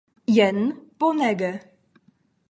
Jen, bonege.